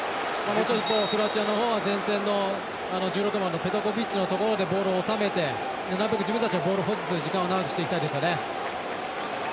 クロアチアのほうは前線の１６番のペトコビッチのところでボールを収めて、自分たちでボールを保持する時間を長くしていきたいですよね。